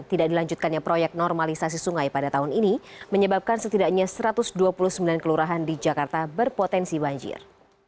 tidak dilanjutkannya proyek normalisasi sungai pada tahun ini menyebabkan setidaknya satu ratus dua puluh sembilan kelurahan di jakarta berpotensi banjir